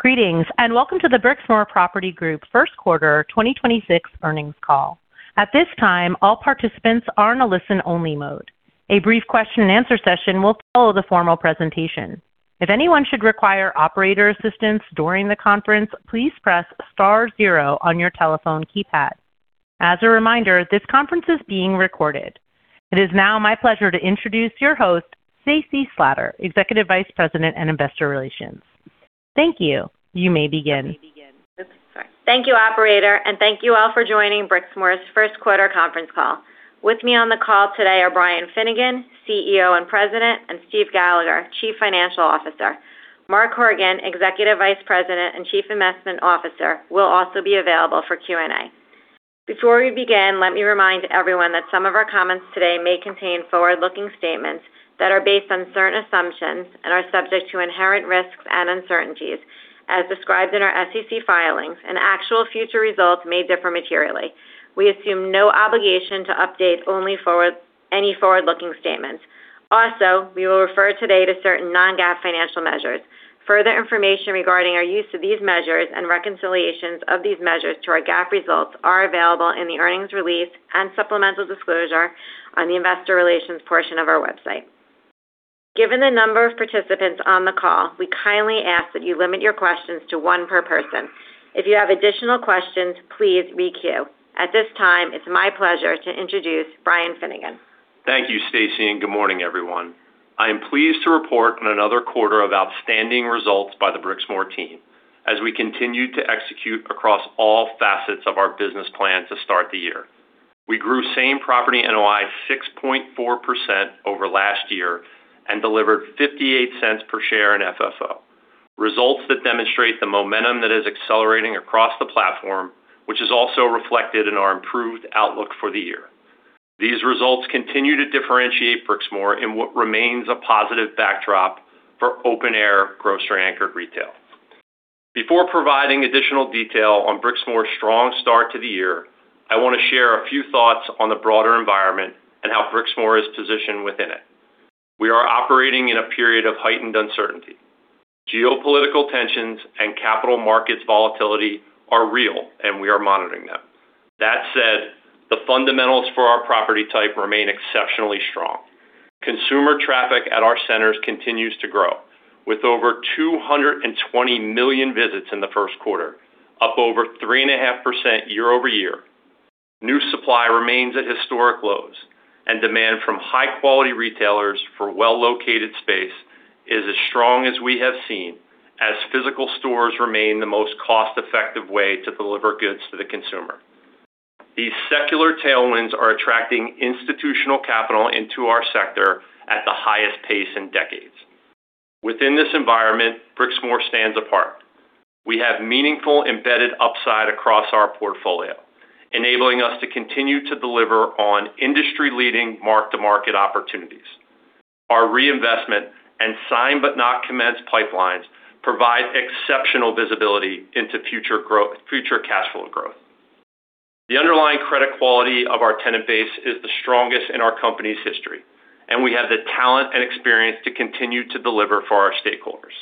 Greetings, welcome to the Brixmor Property Group first quarter 2026 earnings call. At this time, all participants are in a listen only mode. A brief question and answer session will follow the formal presentation. If anyone should require operator assistance during the conference, please press star zero on your telephone keypad. As a reminder, this conference is being recorded. It is now my pleasure to introduce your host, Stacy Slater, Executive Vice President and Investor Relations. Thank you. You may begin. Thank you, operator, thank you all for joining Brixmor's first quarter conference call. With me on the call today are Brian Finnegan, CEO and President, Steve Gallagher, Chief Financial Officer. Mark Horgan, Executive Vice President and Chief Investment Officer, will also be available for Q&A. Before we begin, let me remind everyone that some of our comments today may contain forward-looking statements that are based on certain assumptions and are subject to inherent risks and uncertainties as described in our SEC filings, actual future results may differ materially. We assume no obligation to update any forward-looking statements. We will refer today to certain non-GAAP financial measures. Further information regarding our use of these measures and reconciliations of these measures to our GAAP results are available in the earnings release and supplemental disclosure on the investor relations portion of our website. Given the number of participants on the call, we kindly ask that you limit your questions to one per person. If you have additional questions, please re-queue. At this time, it's my pleasure to introduce Brian Finnegan. Thank you, Stacy. Good morning, everyone. I am pleased to report on another quarter of outstanding results by the Brixmor team as we continue to execute across all facets of our business plan to start the year. We grew same-property NOI 6.4% over last year and delivered $0.58 per share in FFO. Results that demonstrate the momentum that is accelerating across the platform, which is also reflected in our improved outlook for the year. These results continue to differentiate Brixmor in what remains a positive backdrop for open-air grocery-anchored retail. Before providing additional detail on Brixmor's strong start to the year, I want to share a few thoughts on the broader environment and how Brixmor is positioned within it. We are operating in a period of heightened uncertainty. Geopolitical tensions and capital markets volatility are real, and we are monitoring them. That said, the fundamentals for our property type remain exceptionally strong. Consumer traffic at our centers continues to grow with over 220 million visits in the first quarter, up over 3.5% year-over-year. New supply remains at historic lows, demand from high-quality retailers for well-located space is as strong as we have seen as physical stores remain the most cost-effective way to deliver goods to the consumer. These secular tailwinds are attracting institutional capital into our sector at the highest pace in decades. Within this environment, Brixmor stands apart. We have meaningful embedded upside across our portfolio, enabling us to continue to deliver on industry-leading mark-to-market opportunities. Our reinvestment and signed-but-not-commenced pipelines provide exceptional visibility into future cash flow growth. The underlying credit quality of our tenant base is the strongest in our company's history, and we have the talent and experience to continue to deliver for our stakeholders.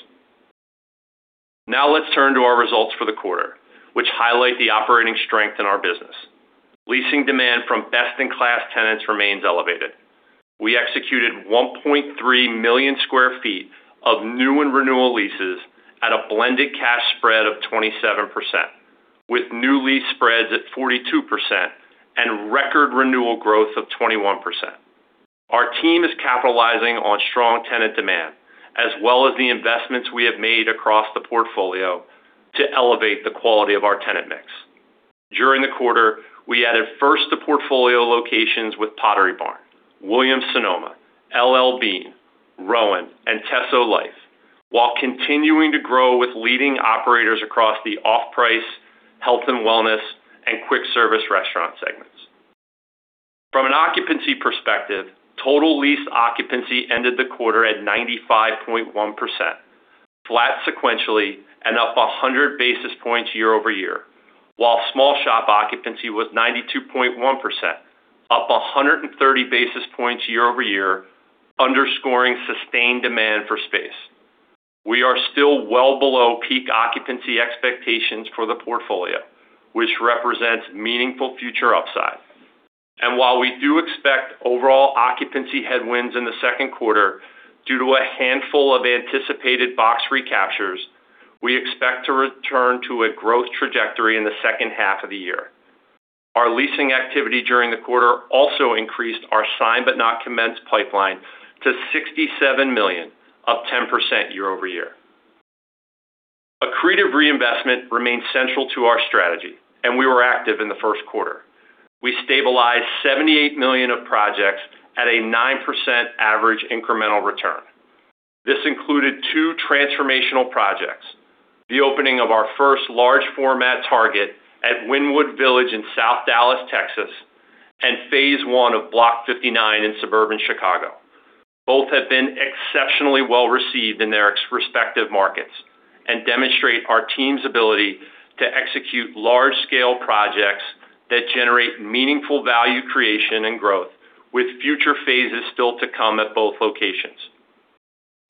Let's turn to our results for the quarter, which highlight the operating strength in our business. Leasing demand from best-in-class tenants remains elevated. We executed 1,300,000 sq ft of new and renewal leases at a blended cash spread of 27%, with new lease spreads at 42% and record renewal growth of 21%. Our team is capitalizing on strong tenant demand as well as the investments we have made across the portfolio to elevate the quality of our tenant mix. During the quarter, we added first the portfolio locations with Pottery Barn, Williams-Sonoma, L.L.Bean, Rowan, and Teso Life, while continuing to grow with leading operators across the off-price, health and wellness, and quick service restaurant segments. From an occupancy perspective, total lease occupancy ended the quarter at 95.1%, flat sequentially and up 100 basis points year-over-year. While small shop occupancy was 92.1%, up 130 basis points year-over-year, underscoring sustained demand for space. We are still well below peak occupancy expectations for the portfolio, which represents meaningful future upside. While we do expect overall occupancy headwinds in the second quarter due to a handful of anticipated box recaptures, we expect to return to a growth trajectory in the second half of the year. Our leasing activity during the quarter also increased our signed-but-not-commenced pipeline to $67 million, up 10% year-over-year. Accretive reinvestment remains central to our strategy, and we were active in the first quarter. We stabilized $78 million of projects at a 9% average incremental return. This included two transformational projects, the opening of our first large format Target at Wynnewood Village in South Dallas, Texas, and phase I of Block 59 in suburban Chicago. Both have been exceptionally well-received in their respective markets and demonstrate our team's ability to execute large-scale projects that generate meaningful value creation and growth. Future phases still to come at both locations.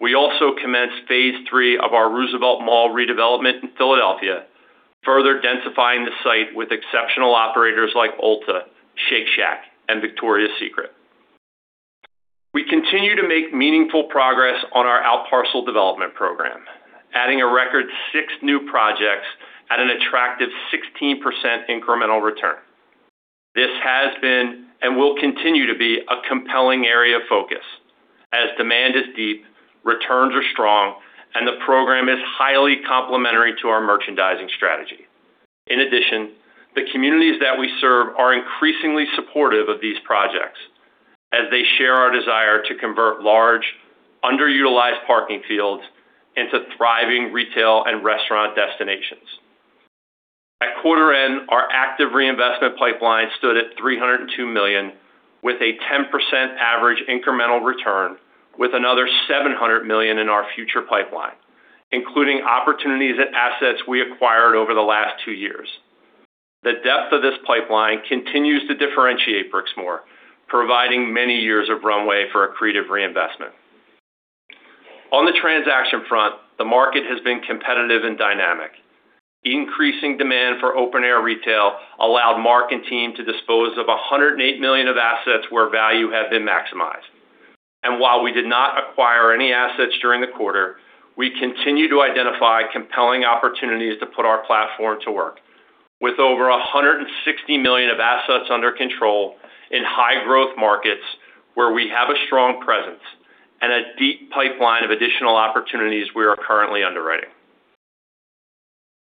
We also commenced phase III of our Roosevelt Mall redevelopment in Philadelphia, further densifying the site with exceptional operators like Ulta, Shake Shack, and Victoria's Secret. We continue to make meaningful progress on our out-parcel development program, adding a record six new projects at an attractive 16% incremental return. This has been and will continue to be a compelling area of focus as demand is deep, returns are strong, and the program is highly complementary to our merchandising strategy. The communities that we serve are increasingly supportive of these projects as they share our desire to convert large, underutilized parking fields into thriving retail and restaurant destinations. At quarter end, our active reinvestment pipeline stood at $302 million, with a 10% average incremental return, with another $700 million in our future pipeline, including opportunities at assets we acquired over the last two years. The depth of this pipeline continues to differentiate Brixmor, providing many years of runway for accretive reinvestment. On the transaction front, the market has been competitive and dynamic. Increasing demand for open-air retail allowed Mark and team to dispose of $108 million of assets where value had been maximized. While we did not acquire any assets during the quarter, we continue to identify compelling opportunities to put our platform to work with over $160 million of assets under control in high-growth markets where we have a strong presence and a deep pipeline of additional opportunities we are currently underwriting.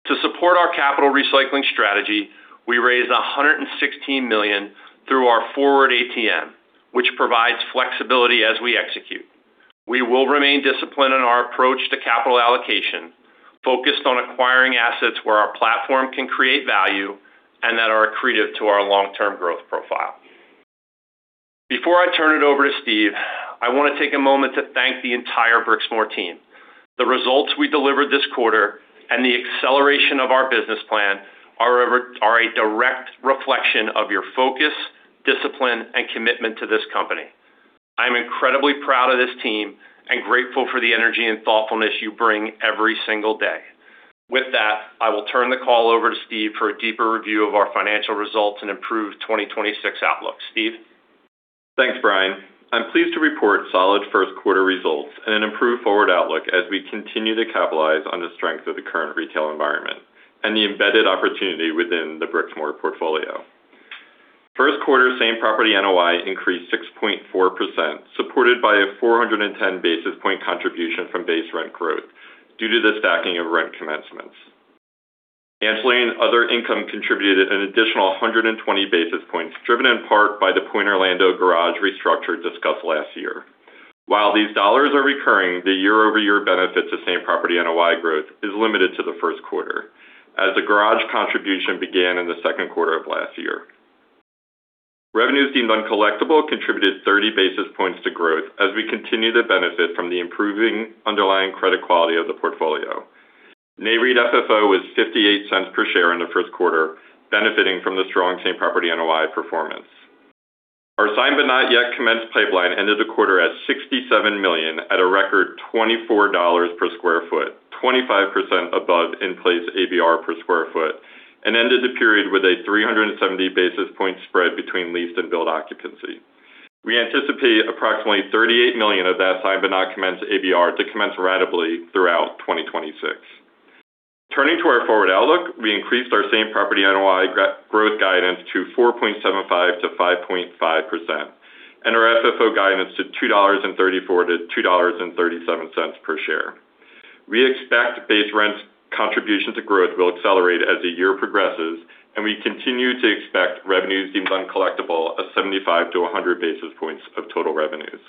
To support our capital recycling strategy, we raised $116 million through our forward ATM, which provides flexibility as we execute. We will remain disciplined in our approach to capital allocation, focused on acquiring assets where our platform can create value and that are accretive to our long-term growth profile. Before I turn it over to Steve, I want to take a moment to thank the entire Brixmor team. The results we delivered this quarter and the acceleration of our business plan are a direct reflection of your focus, discipline, and commitment to this company. I'm incredibly proud of this team and grateful for the energy and thoughtfulness you bring every single day. With that, I will turn the call over to Steve for a deeper review of our financial results and improved 2026 outlook. Steve? Thanks, Brian. I'm pleased to report solid first quarter results and an improved forward outlook as we continue to capitalize on the strength of the current retail environment and the embedded opportunity within the Brixmor portfolio. First quarter same-property NOI increased 6.4%, supported by a 410 basis point contribution from base rent growth due to the stacking of rent commencements. Anchoring other income contributed an additional 120 basis points, driven in part by the Pointe Orlando garage restructure discussed last year. While these dollars are recurring, the year-over-year benefits to same-property NOI growth is limited to the first quarter as the garage contribution began in the second quarter of last year. Revenues deemed uncollectible contributed 30 basis points to growth as we continue to benefit from the improving underlying credit quality of the portfolio. Nareit FFO was $0.58 per share in the first quarter, benefiting from the strong same-property NOI performance. Our signed-but-not-commenced pipeline ended the quarter at $67 million at a record $24 per square foot, $25 above in-place ABR per square foot, and ended the period with a 370 basis point spread between leased and build occupancy. We anticipate approximately $38 million of that signed-but-not-commenced ABR to commence ratably throughout 2026. Turning to our forward outlook, we increased our same-property NOI growth guidance to 4.75%-5.5% and our FFO guidance to $2.34-$2.37 per share. We expect base rent contribution to growth will accelerate as the year progresses, and we continue to expect revenues deemed uncollectible of 75 to 100 basis points of total revenues,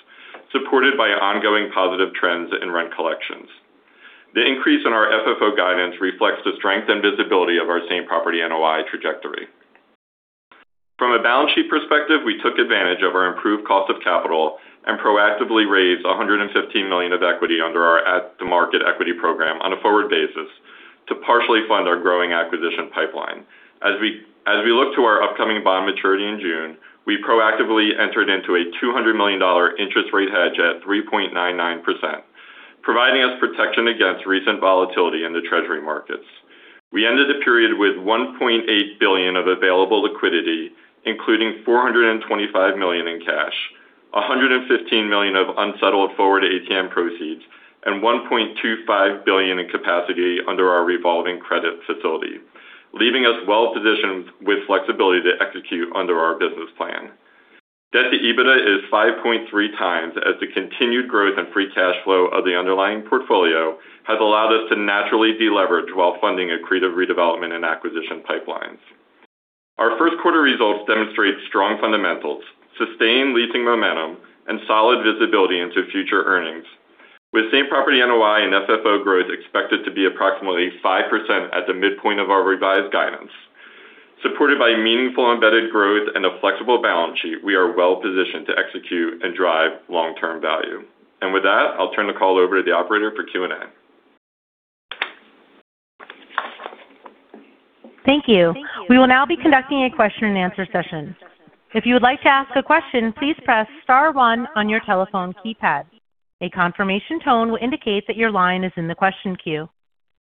supported by ongoing positive trends in rent collections. The increase in our FFO guidance reflects the strength and visibility of our same-property NOI trajectory. From a balance sheet perspective, we took advantage of our improved cost of capital and proactively raised $115 million of equity under our at the market equity program on a forward basis to partially fund our growing acquisition pipeline. As we look to our upcoming bond maturity in June, we proactively entered into a $200 million interest rate hedge at 3.99%, providing us protection against recent volatility in the Treasury markets. We ended the period with $1.8 billion of available liquidity, including $425 million in cash, $115 million of unsettled forward ATM proceeds, and $1.25 billion in capacity under our revolving credit facility, leaving us well-positioned with flexibility to execute under our business plan. Debt to EBITDA is 5.3x as the continued growth in free cash flow of the underlying portfolio has allowed us to naturally deleverage while funding accretive redevelopment and acquisition pipelines. Our first quarter results demonstrate strong fundamentals, sustained leasing momentum, and solid visibility into future earnings. With same-property NOI and FFO growth expected to be approximately 5% at the midpoint of our revised guidance, supported by meaningful embedded growth and a flexible balance sheet, we are well-positioned to execute and drive long-term value. With that, I'll turn the call over to the operator for Q&A. Thank you. We will now be conducting a question and answer session. If you would like to ask a question, please press star one on your telephone keypad. A confirmation tone will indicate that your line is in the question queue.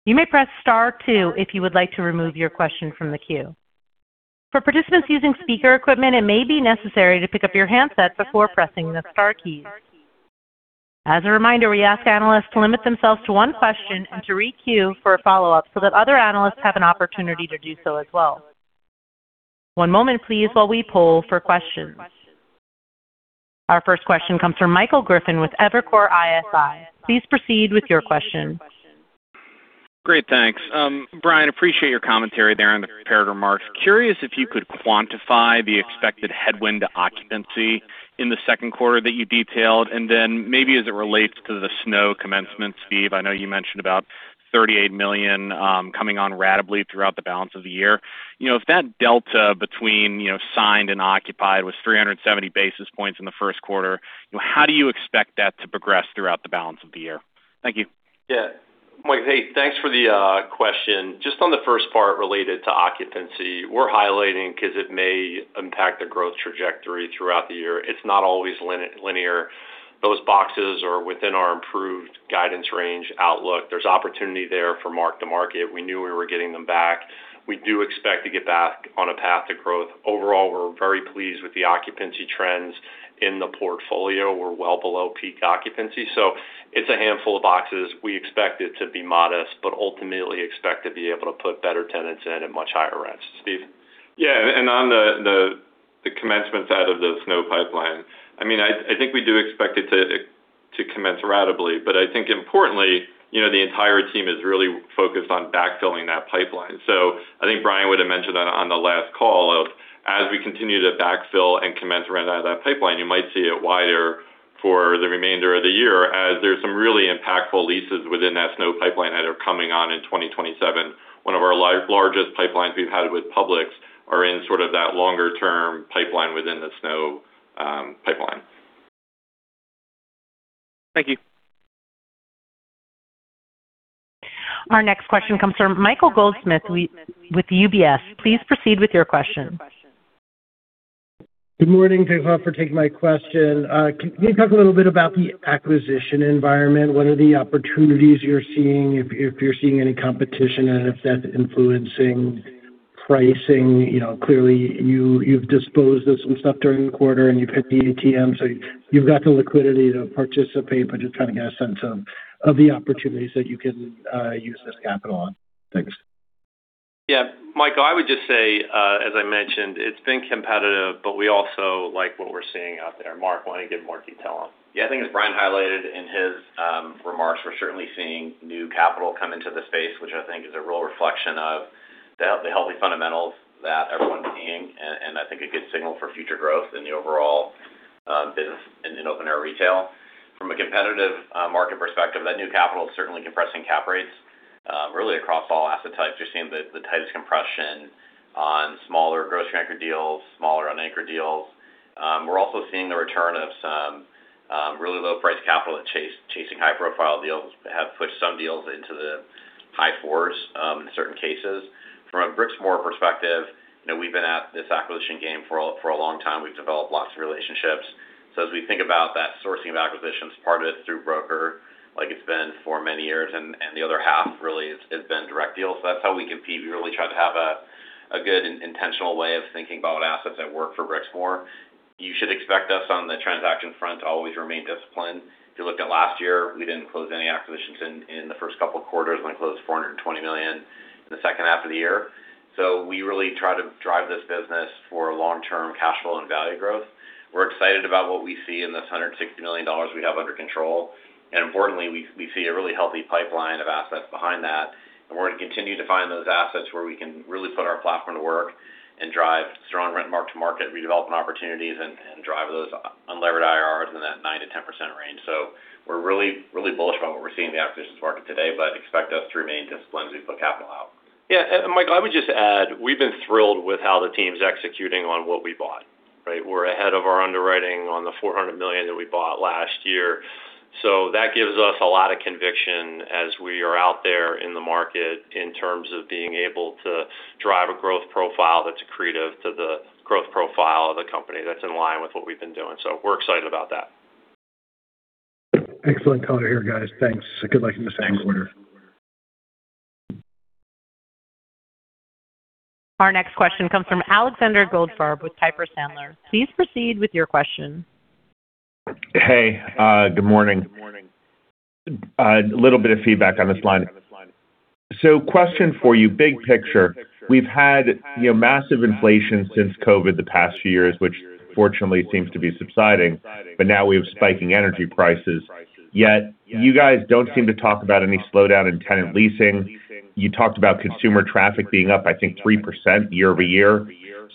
You may press star two if you would like to remove your question from the queue. For participants using speaker equipment, it may be necessary to pick up your handset before pressing the star keys. As a reminder, we ask analysts to limit themselves to one question and to re-queue for a follow-up so that other analysts have an opportunity to do so as well. One moment please while we poll for questions. Our first question comes from Michael Griffin with Evercore ISI. Please proceed with your question. Great, thanks. Brian, appreciate your commentary there on the prepared remarks. Curious if you could quantify the expected headwind to occupancy in the second quarter that you detailed, maybe as it relates to the SNO commencement, Steve, I know you mentioned about $38 million coming on ratably throughout the balance of the year. You know, if that delta between, you know, signed and occupied was 370 basis points in the first quarter, you know, how do you expect that to progress throughout the balance of the year? Thank you. Mike, hey, thanks for the question. Just on the first part related to occupancy, we're highlighting 'cause it may impact the growth trajectory throughout the year. It's not always line-linear. Those boxes are within our improved guidance range outlook. There's opportunity there for mark-to-market. We knew we were getting them back. We do expect to get back on a path to growth. Overall, we're very pleased with the occupancy trends in the portfolio. We're well below peak occupancy. It's a handful of boxes. We expect it to be modest, but ultimately expect to be able to put better tenants in at much higher rents. Steve. Yeah. On the commencement side of the SNO pipeline, I mean, I think we do expect it to commence ratably. I think importantly, you know, the entire team is really focused on backfilling that pipeline. I think Brian would have mentioned that on the last call of as we continue to backfill and commence rent out of that pipeline, you might see it wider for the remainder of the year as there's some really impactful leases within that SNO pipeline that are coming on in 2027. One of our largest pipelines we've had with Publix are in sort of that longer-term pipeline within the SNO pipeline. Thank you. Our next question comes from Michael Goldsmith with UBS. Please proceed with your question. Good morning. Thanks a lot for taking my question. Can you talk a little bit about the acquisition environment? What are the opportunities you're seeing if you're seeing any competition and if that's influencing pricing? You know, clearly, you've disposed of some stuff during the quarter and you've hit the ATM, so you've got the liquidity to participate, but just trying to get a sense of the opportunities that you can use this capital on. Thanks. Yeah. Michael, I would just say, as I mentioned, it's been competitive, but we also like what we're seeing out there. Mark, why don't you give more detail on that? I think as Brian highlighted in his remarks, we're certainly seeing new capital come into the space, which I think is a real reflection of the healthy fundamentals that everyone's seeing and I think a good signal for future growth in the overall business in open air retail. From a competitive market perspective, that new capital is certainly compressing cap rates really across all asset types. You're seeing the tightest compression on smaller grocery anchor deals, smaller unanchored deals. We're also seeing the return of some really low-priced capital that chasing high-profile deals have pushed some deals into the high-4s in certain cases. From a Brixmor perspective, you know, we've been at this acquisition game for a long time. We've developed lots of relationships. As we think about that sourcing of acquisitions, part of it is through broker, like it's been for many years, and the other half really has been direct deals. That's how we compete. We really try to have a good intentional way of thinking about assets that work for Brixmor. You should expect us on the transaction front to always remain disciplined. If you looked at last year, we didn't close any acquisitions in the first couple of quarters, and then closed $420 million in the second half of the year. We really try to drive this business for long-term cash flow and value growth. We're excited about what we see in this $160 million we have under control. Importantly, we see a really healthy pipeline of assets behind that. We're gonna continue to find those assets where we can really put our platform to work and drive strong rent mark-to-market redevelopment opportunities and drive those unlevered IRRs in that 9%-10% range. We're really bullish on what we're seeing in the acquisitions market today, but expect us to remain disciplined as we put capital out. Yeah. Michael, I would just add, we've been thrilled with how the team's executing on what we bought, right? We're ahead of our underwriting on the $400 million that we bought last year. That gives us a lot of conviction as we are out there in the market in terms of being able to drive a growth profile that's accretive to the growth profile of the company that's in line with what we've been doing. We're excited about that. Excellent call here, guys. Thanks. Good luck in the second quarter. Our next question comes from Alexander Goldfarb with Piper Sandler. Please proceed with your question. Hey, good morning. A little bit of feedback on this line. Question for you, big picture. We've had, you know, massive inflation since COVID the past few years, which fortunately seems to be subsiding, but now we have spiking energy prices. You guys don't seem to talk about any slowdown in tenant leasing. You talked about consumer traffic being up, I think, 3% year-over-year.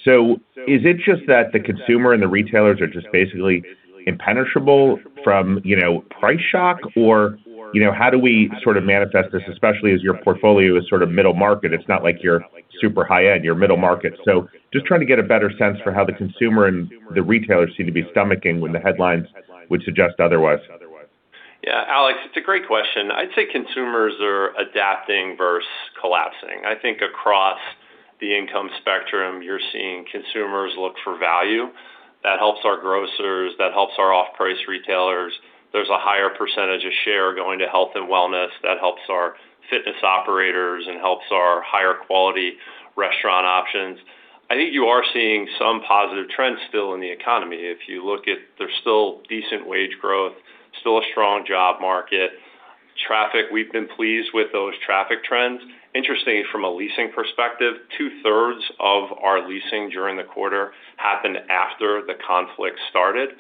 Is it just that the consumer and the retailers are just basically impenetrable from, you know, price shock? How do we sort of manifest this, especially as your portfolio is sort of middle market? It's not like you're super high-end, you're middle market. Just trying to get a better sense for how the consumer and the retailers seem to be stomaching when the headlines would suggest otherwise. Alex, it's a great question. I'd say consumers are adapting versus collapsing. I think across the income spectrum, you're seeing consumers look for value. That helps our grocers, that helps our off-price retailers. There's a higher percentage of share going to health and wellness that helps our fitness operators and helps our higher quality restaurant options. I think you are seeing some positive trends still in the economy. If you look at there's still decent wage growth, still a strong job market. Traffic, we've been pleased with those traffic trends. Interestingly, from a leasing perspective, two-thirds of our leasing during the quarter happened after the conflict started.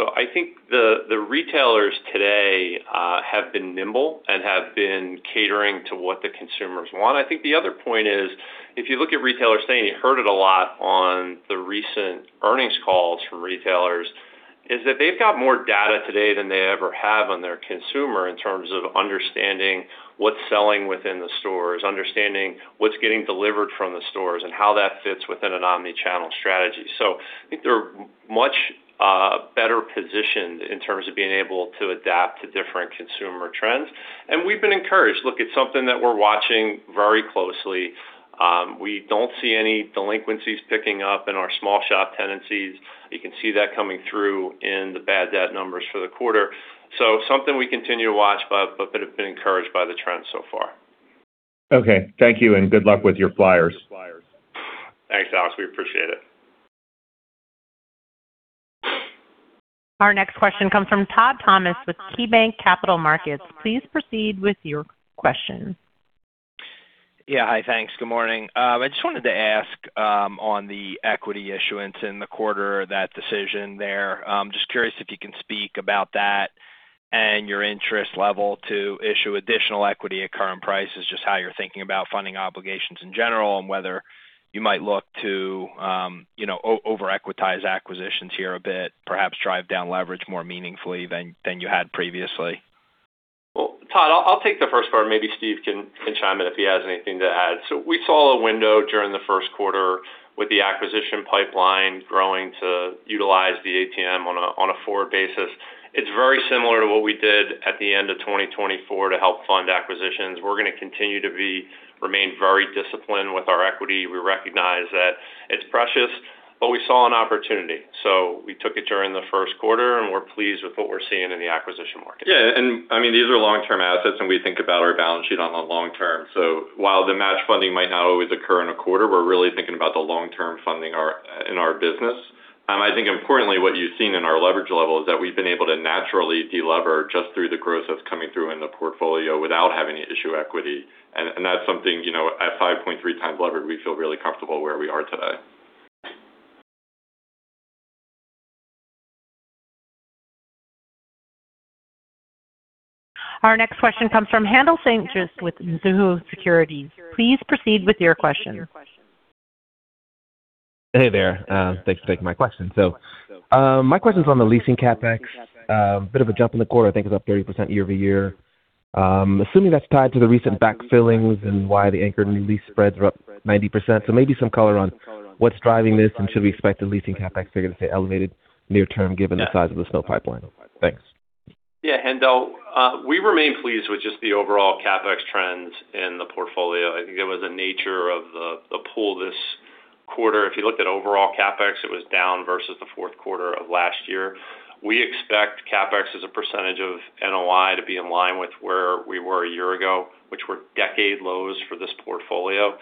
I think the retailers today have been nimble and have been catering to what the consumers want. I think the other point is, if you look at retailers saying, you heard it a lot on the recent earnings calls from retailers, is that they've got more data today than they ever have on their consumer in terms of understanding what's selling within the stores, understanding what's getting delivered from the stores, and how that fits within an omnichannel strategy. I think they're much better positioned in terms of being able to adapt to different consumer trends. We've been encouraged. Look, it's something that we're watching very closely. We don't see any delinquencies picking up in our small shop tenancies. You can see that coming through in the bad debt numbers for the quarter. Something we continue to watch, but have been encouraged by the trends so far. Okay. Thank you, and good luck with your flyers. Thanks, Alex. We appreciate it. Our next question comes from Todd Thomas with KeyBanc Capital Markets. Please proceed with your question. Yeah. Hi. Thanks. Good morning. I just wanted to ask on the equity issuance in the quarter, that decision there. I'm just curious if you can speak about that and your interest level to issue additional equity at current prices, just how you're thinking about funding obligations in general, and whether you might look to, you know, over equitize acquisitions here a bit, perhaps drive down leverage more meaningfully than you had previously. Well, Todd, I'll take the first part, and maybe Steve can chime in if he has anything to add. We saw a window during the first quarter with the acquisition pipeline growing to utilize the ATM on a forward basis. It's very similar to what we did at the end of 2024 to help fund acquisitions. We're going to remain very disciplined with our equity. We recognize that it's precious, but we saw an opportunity, so we took it during the first quarter, and we're pleased with what we're seeing in the acquisition market. Yeah. I mean, these are long-term assets, and we think about our balance sheet on the long term. While the match funding might not always occur in a quarter, we're really thinking about the long-term funding our, in our business. I think importantly, what you've seen in our leverage level is that we've been able to naturally de-lever just through the growth that's coming through in the portfolio without having to issue equity. That's something, you know, at 5.3x levered, we feel really comfortable where we are today. Our next question comes from Haendel St. Juste with Mizuho Securities. Please proceed with your question. Hey there. Thanks for taking my question. My question's on the leasing CapEx. A bit of a jump in the quarter. I think it's up 30% year-over-year. Assuming that's tied to the recent backfillings and why the anchored new lease spreads are up 90%. Maybe some color on what's driving this, and should we expect the leasing CapEx figures to stay elevated near term given the size of the SNO pipeline? Thanks. Yeah. Haendel, we remain pleased with just the overall CapEx trends in the portfolio. I think it was the nature of the pull this quarter. If you looked at overall CapEx, it was down versus the fourth quarter of last year. We expect CapEx as a percentage of NOI to be in line with where we were a year ago, which were decade lows for this portfolio.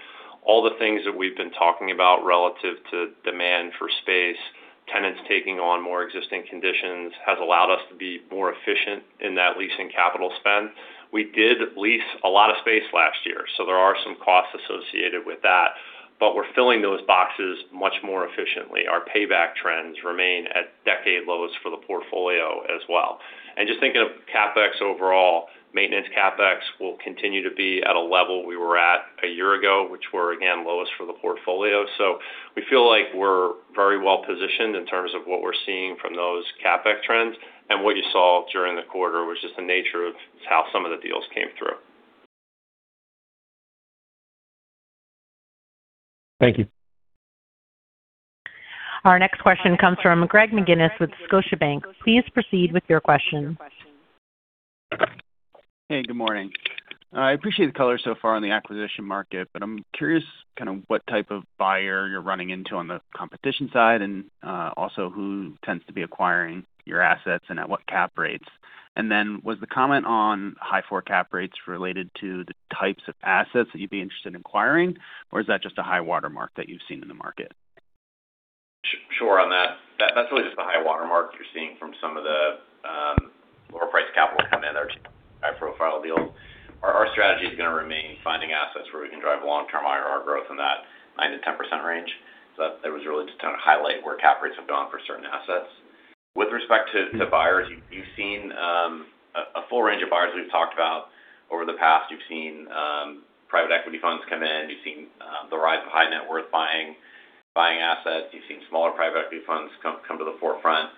All the things that we've been talking about relative to demand for space, tenants taking on more existing conditions, has allowed us to be more efficient in that leasing capital spend. We did lease a lot of space last year, so there are some costs associated with that, but we're filling those boxes much more efficiently. Our payback trends remain at decade lows for the portfolio as well. Just thinking of CapEx overall, maintenance CapEx will continue to be at a level we were at a year ago, which were again lowest for the portfolio. We feel like we're very well positioned in terms of what we're seeing from those CapEx trends. What you saw during the quarter was just the nature of how some of the deals came through. Thank you. Our next question comes from Greg McGinnis with Scotiabank. Please proceed with your question. Hey, good morning. I appreciate the color so far on the acquisition market, but I'm curious kind of what type of buyer you're running into on the competition side and also who tends to be acquiring your assets and at what cap rates. Was the comment on high four cap rates related to the types of assets that you'd be interested in acquiring, or is that just a high watermark that you've seen in the market? Sure. On that's really just the high watermark you're seeing from some of the lower priced capital come in. They're just high-profile deals. Our strategy is gonna remain finding assets where we can drive long-term IRR growth in that 9%-10% range. That was really just to kind of highlight where cap rates have gone for certain assets. With respect to buyers, you've seen a full range of buyers we've talked about over the past. You've seen private equity funds come in. You've seen the rise of high net worth buying assets. You've seen smaller private equity funds come to the forefront.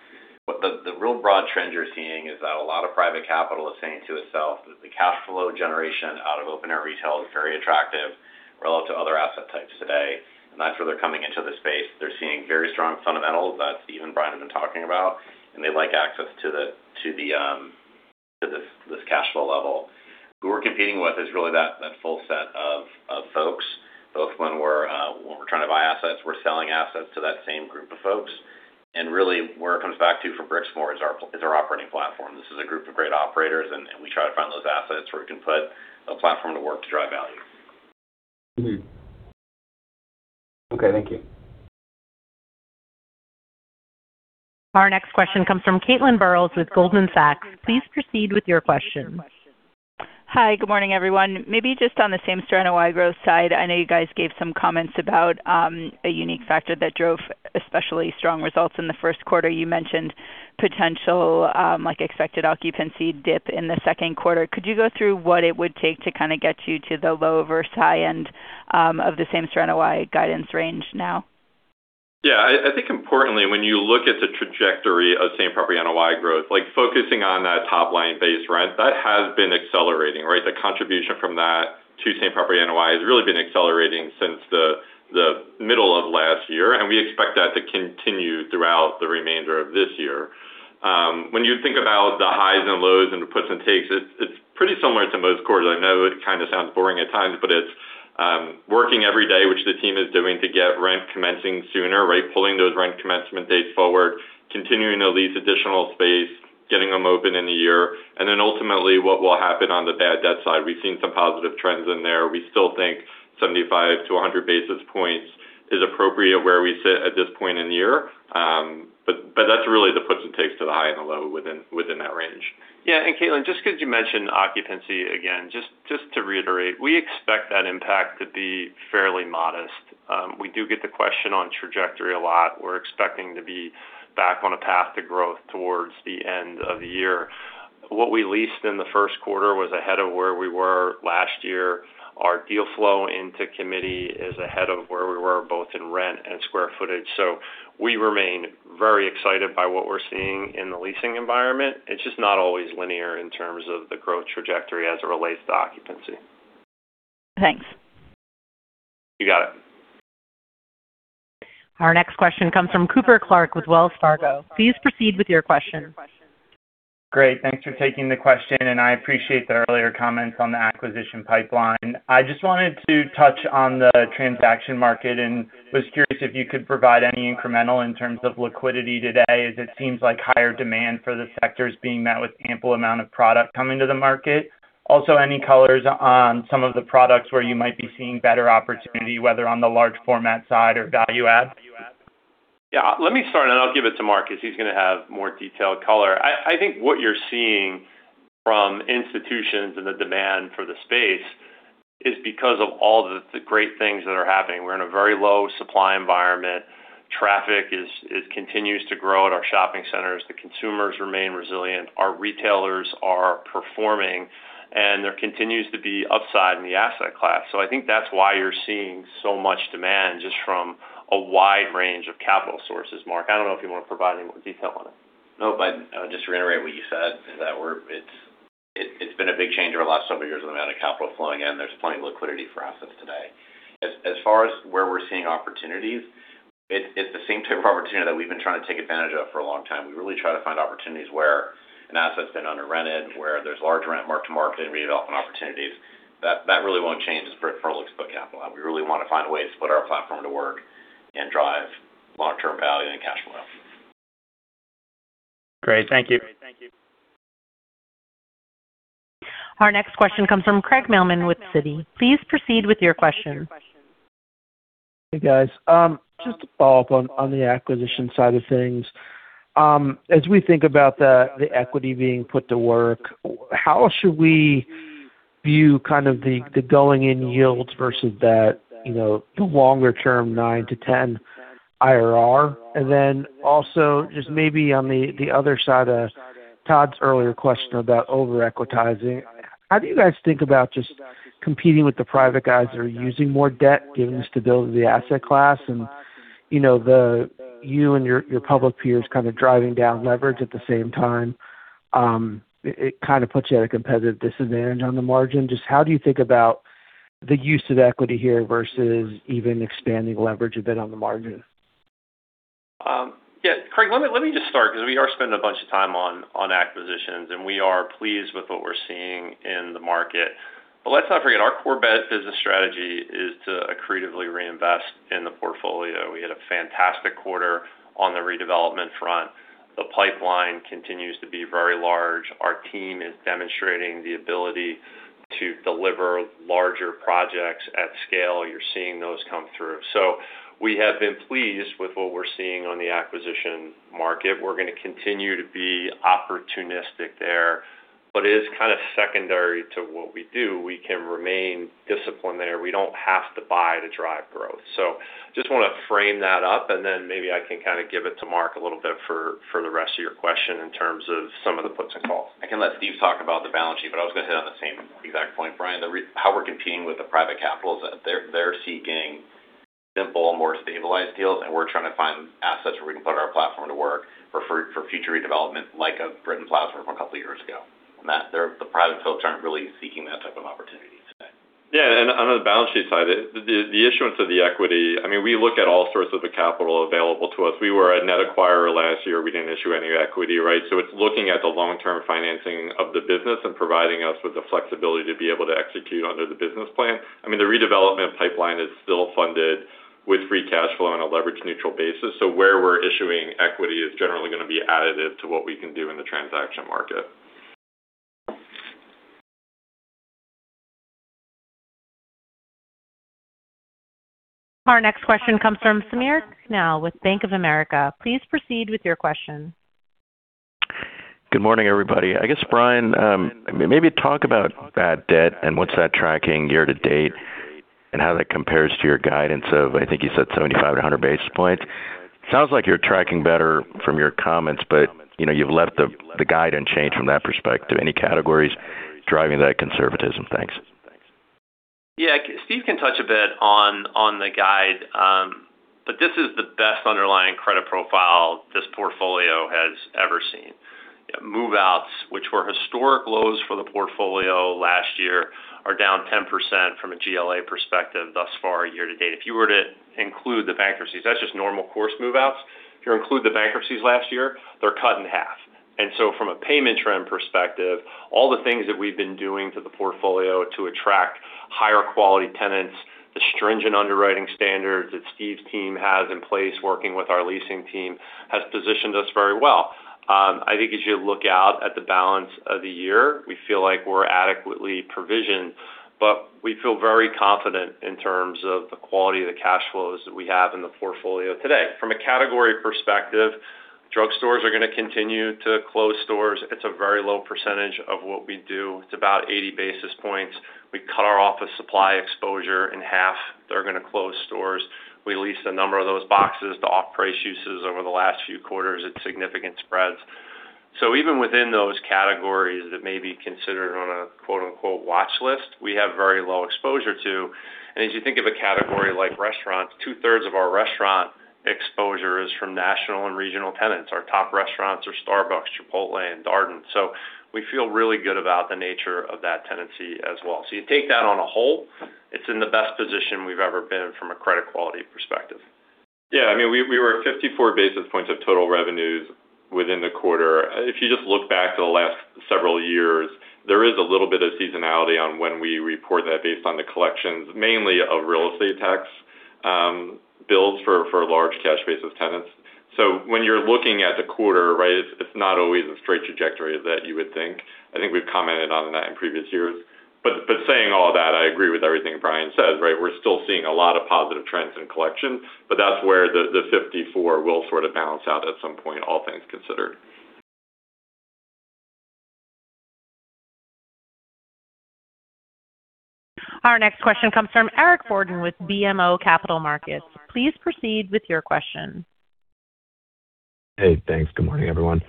The, the real broad trend you're seeing is that a lot of private capital is saying to itself that the cash flow generation out of open-air retail is very attractive relative to other asset types today, and that's where they're coming into the space. They're seeing very strong fundamentals that Steve and Brian have been talking about, and they like access to this cash flow level. Who we're competing with is really that full set of folks, both when we're trying to buy assets, we're selling assets to that same group of folks. Really, where it comes back to for Brixmor is our operating platform. This is a group of great operators, and we try to find those assets where we can put a platform to work to drive value. Mm-hmm. Okay, thank you. Our next question comes from Caitlin Burrows with Goldman Sachs. Please proceed with your question. Hi, good morning, everyone. Maybe just on the same-property NOI growth side. I know you guys gave some comments about a unique factor that drove especially strong results in the first quarter. You mentioned potential, like expected occupancy dip in the second quarter. Could you go through what it would take to kind of get you to the low versus high end of the same-property NOI guidance range now? Yeah. I think importantly, when you look at the trajectory of same-property NOI growth, like focusing on that top-line base rent, that has been accelerating, right? The contribution from that to same-property NOI has really been accelerating since the middle of last year. We expect that to continue throughout the remainder of this year. When you think about the highs and lows and the puts and takes, it's pretty similar to most quarters. I know it kinda sounds boring at times. It's working every day, which the team is doing to get rent commencing sooner, right? Pulling those rent commencement dates forward, continuing to lease additional space, getting them open in a year. Ultimately, what will happen on the bad debt side. We've seen some positive trends in there. We still think 75-100 basis points is appropriate where we sit at this point in the year. That's really the puts and takes to the high and the low within that range. Yeah, and Caitlin, just 'cause you mentioned occupancy, again, just to reiterate, we expect that impact to be fairly modest. We do get the question on trajectory a lot. We're expecting to be back on a path to growth towards the end of the year. What we leased in the first quarter was ahead of where we were last year. Our deal flow into committee is ahead of where we were, both in rent and square footage. We remain very excited by what we're seeing in the leasing environment. It's just not always linear in terms of the growth trajectory as it relates to occupancy. Thanks. You got it. Our next question comes from Cooper Clark with Wells Fargo. Please proceed with your question. Great. Thanks for taking the question. I appreciate the earlier comments on the acquisition pipeline. I just wanted to touch on the transaction market. I was curious if you could provide any incremental in terms of liquidity today, as it seems like higher demand for the sector is being met with ample amount of product coming to the market. Any color on some of the products where you might be seeing better opportunity, whether on the large format side or value add? Yeah. Let me start, and then I'll give it to Mark, as he's gonna have more detailed color. I think what you're seeing from institutions and the demand for the space is because of all the great things that are happening. We're in a very low supply environment. Traffic continues to grow at our shopping centers. The consumers remain resilient. Our retailers are performing. There continues to be upside in the asset class. I think that's why you're seeing so much demand just from a wide range of capital sources. Mark, I don't know if you wanna provide any more detail on it. No, I would just reiterate what you said, is that it's been a big change over the last several years in the amount of capital flowing in. There's plenty of liquidity for assets today. As far as where we're seeing opportunities, it's the same type of opportunity that we've been trying to take advantage of for a long time. We really try to find opportunities where an asset's been under-rented, where there's large rent mark-to-market and redevelopment opportunities. That really won't change for our looks for capital. We really wanna find ways to put our platform to work and drive long-term value and cash flow. Great. Thank you. Our next question comes from Craig Mailman with Citi. Please proceed with your question. Hey, guys. Just to follow up on the acquisition side of things. As we think about the equity being put to work, how should we view kind of the going-in yields versus that, you know, the longer-term 9%-10% IRR? Then also, just maybe on the other side of Todd's earlier question about over-equitizing, how do you guys think about just competing with the private guys that are using more debt, given the stability of the asset class and, you know, you and your public peers kind of driving down leverage at the same time. It kind of puts you at a competitive disadvantage on the margin. Just how do you think about the use of equity here versus even expanding leverage a bit on the margin? Yeah. Craig, let me just start because we are spending a bunch of time on acquisitions, we are pleased with what we're seeing in the market. Let's not forget, our core business strategy is to accretively reinvest in the portfolio. We had a fantastic quarter on the redevelopment front. The pipeline continues to be very large. Our team is demonstrating the ability to deliver larger projects at scale. You're seeing those come through. We have been pleased with what we're seeing on the acquisition market. We're going to continue to be opportunistic there, it is kind of secondary to what we do. We can remain disciplined there. We don't have to buy to drive growth. Just wanna frame that up, and then maybe I can kinda give it to Mark a little bit for the rest of your question in terms of some of the puts and calls. I can let Steve talk about the balance sheet, but I was gonna hit on the same exact point, Brian. How we're competing with the private capital is that they're seeking simple, more stabilized deals, and we're trying to find assets where we can put our platform to work for future redevelopment, like a Britton Plaza from a couple years ago. The private folks aren't really seeking that type of opportunity today. Yeah, on the balance sheet side, the issuance of the equity, I mean, we look at all sorts of the capital available to us. We were a net acquirer last year. We didn't issue any equity, right? It's looking at the long-term financing of the business and providing us with the flexibility to be able to execute under the business plan. I mean, the redevelopment pipeline is still funded with free cash flow on a leverage neutral basis. Where we're issuing equity is generally gonna be additive to what we can do in the transaction market. Our next question comes from Samir Khanal with Bank of America. Please proceed with your question. Good morning, everybody. I guess, Brian, maybe talk about bad debt and what's that tracking year to date and how that compares to your guidance of, I think you said 75 to 100 basis points. Sounds like you're tracking better from your comments, but, you know, you've let the guidance change from that perspective. Any categories driving that conservatism? Thanks. Steve can touch a bit on the guide. This is the best underlying credit profile this portfolio has ever seen. Move-outs, which were historic lows for the portfolio last year, are down 10% from a GLA perspective thus far year to date. If you were to include the bankruptcies, that's just normal course move-outs. If you include the bankruptcies last year, they're cut in half. From a payment trend perspective, all the things that we've been doing to the portfolio to attract higher quality tenants, the stringent underwriting standards that Steve's team has in place working with our leasing team has positioned us very well. I think as you look out at the balance of the year, we feel like we're adequately provisioned, but we feel very confident in terms of the quality of the cash flows that we have in the portfolio today. From a category perspective, drugstores are gonna continue to close stores. It's a very low percentage of what we do. It's about 80 basis points. We cut our office supply exposure in half. They're gonna close stores. We leased a number of those boxes to off-price uses over the last few quarters at significant spreads. Even within those categories that may be considered on a quote-unquote watch list, we have very low exposure to. As you think of a category like restaurants, two-thirds of our restaurant exposure is from national and regional tenants. Our top restaurants are Starbucks, Chipotle, and Darden. We feel really good about the nature of that tenancy as well. You take that on a whole, it's in the best position we've ever been from a credit quality perspective. Yeah. I mean, we were at 54 basis points of total revenues within the quarter. If you just look back to the last several years, there is a little bit of seasonality on when we report that based on the collections, mainly of real estate tax bills for large cash basis tenants. When you're looking at the quarter, right, it's not always a straight trajectory that you would think. I think we've commented on that in previous years. Saying all that, I agree with everything Brian said, right? We're still seeing a lot of positive trends in collection, that's where the 54 will sort of balance out at some point, all things considered. Our next question comes from Eric Borden with BMO Capital Markets. Please proceed with your question. Hey, thanks. Good morning, everyone.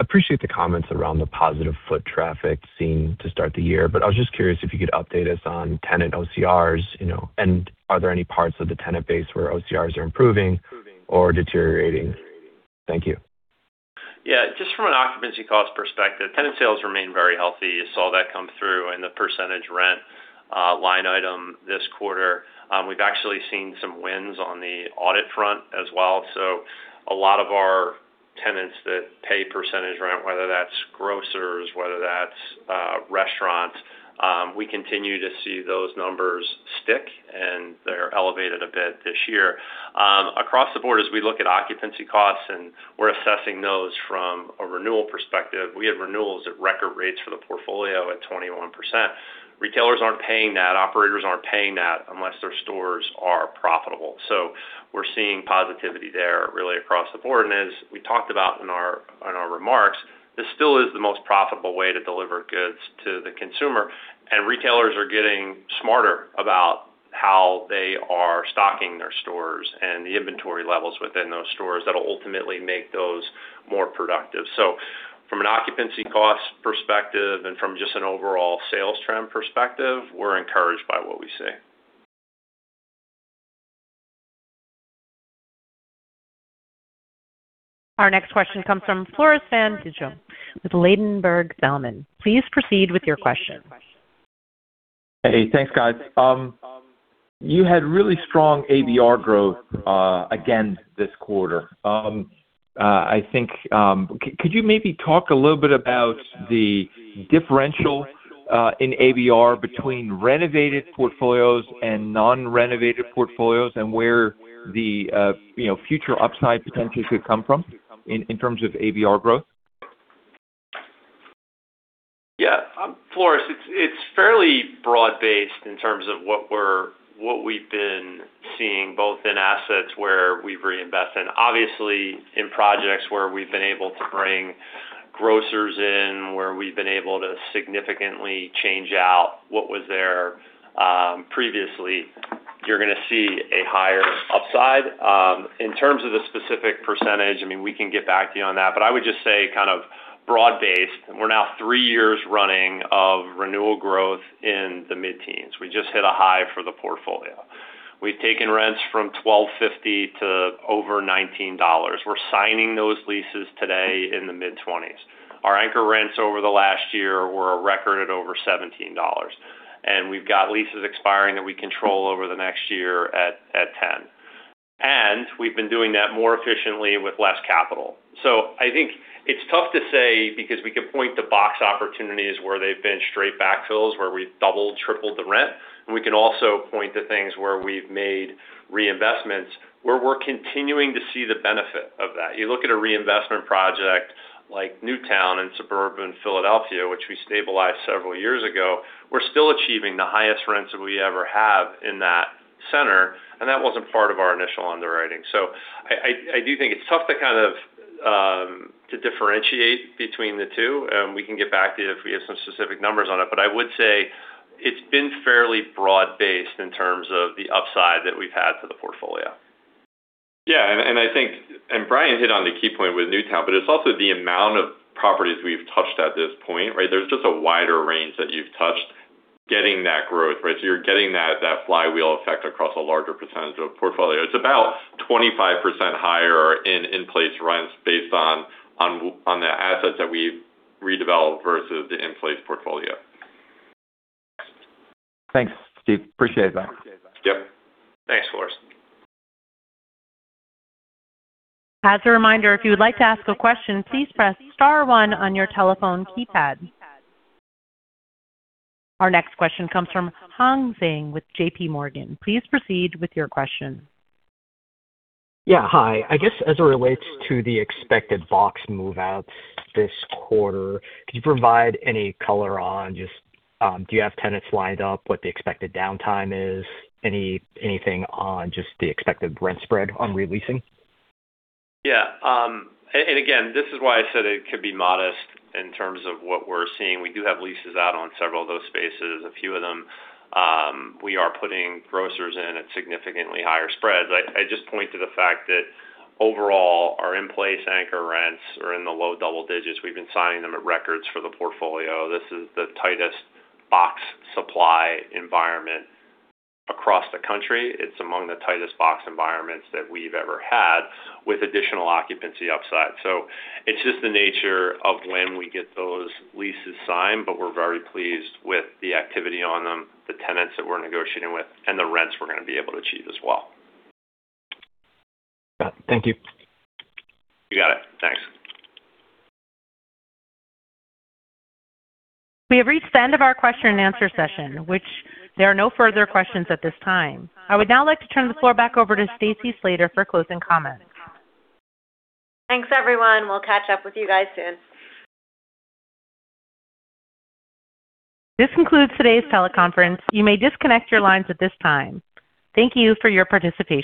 Appreciate the comments around the positive foot traffic seen to start the year. I was just curious if you could update us on tenant OCRs, you know, and are there any parts of the tenant base where OCRs are improving or deteriorating? Thank you. Just from an occupancy cost perspective, tenant sales remain very healthy. You saw that come through in the percentage rent line item this quarter. We've actually seen some wins on the audit front as well. A lot of our tenants that pay percentage rent, whether that's grocers, whether that's restaurants, we continue to see those numbers stick, and they're elevated a bit this year. Across the board, as we look at occupancy costs and we're assessing those from a renewal perspective, we have renewals at record rates for the portfolio at 21%. Retailers aren't paying that, operators aren't paying that unless their stores are profitable. We're seeing positivity there really across the board. As we talked about in our remarks, this still is the most profitable way to deliver goods to the consumer, and retailers are getting smarter about how they are stocking their stores and the inventory levels within those stores that'll ultimately make those more productive. From an occupancy cost perspective and from just an overall sales trend perspective, we're encouraged by what we see. Our next question comes from Floris van Dijkum with Ladenburg Thalmann. Please proceed with your question. Hey. Thanks, guys. You had really strong ABR growth again this quarter. I think, could you maybe talk a little bit about the differential in ABR between renovated portfolios and non-renovated portfolios and where the, you know, future upside potential could come from in terms of ABR growth? Floris, it's fairly broad-based in terms of what we've been seeing, both in assets where we've reinvested. Obviously, in projects where we've been able to bring grocers in, where we've been able to significantly change out what was there, previously, you're gonna see a higher upside. In terms of the specific percentage, I mean, we can get back to you on that. I would just say kind of broad-based, we're now three years running of renewal growth in the mid-teens. We just hit a high for the portfolio. We've taken rents from $12.50 to over $19. We're signing those leases today in the mid-20s. Our anchor rents over the last year were a record at over $17. We've got leases expiring that we control over the next year at $10. We've been doing that more efficiently with less capital. I think it's tough to say because we can point to box opportunities where they've been straight backfills, where we've doubled, tripled the rent, and we can also point to things where we've made reinvestments, where we're continuing to see the benefit of that. You look at a reinvestment project like Newtown in suburban Philadelphia, which we stabilized several years ago. We're still achieving the highest rents that we ever have in that center, and that wasn't part of our initial underwriting. I do think it's tough to kind of to differentiate between the two, and we can get back to you if we have some specific numbers on it. I would say it's been fairly broad-based in terms of the upside that we've had to the portfolio. Yeah, I think Brian hit on the key point with Newtown, it's also the amount of properties we've touched at this point, right? There's just a wider range that you've touched getting that growth, right? You're getting that flywheel effect across a larger percentage of portfolio. It's about 25% higher in in-place rents based on the assets that we've redeveloped versus the in-place portfolio. Thanks, Steve. Appreciate that. Yep. Thanks, Floris. As a reminder, if you would like to ask a question, please press star one on your telephone keypad. Our next question comes from Hong Zhang with JPMorgan. Please proceed with your question. Yeah, hi. I guess as it relates to the expected box move-outs this quarter, could you provide any color on just, do you have tenants lined up, what the expected downtime is? Anything on just the expected rent spread on re-leasing? Again, this is why I said it could be modest in terms of what we're seeing. We do have leases out on several of those spaces. A few of them, we are putting grocers in at significantly higher spreads. I just point to the fact that overall our in-place anchor rents are in the low double-digits. We've been signing them at records for the portfolio. This is the tightest box supply environment across the country. It's among the tightest box environments that we've ever had with additional occupancy upside. It's just the nature of when we get those leases signed, but we're very pleased with the activity on them, the tenants that we're negotiating with, and the rents we're gonna be able to achieve as well. Got it. Thank you. You got it. Thanks. We have reached the end of our question and answer session, which there are no further questions at this time. I would now like to turn the floor back over to Stacy Slater for closing comments. Thanks, everyone. We'll catch up with you guys soon. This concludes today's teleconference. You may disconnect your lines at this time. Thank you for your participation.